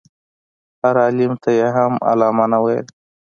هر عالم ته یې هم علامه نه ویل.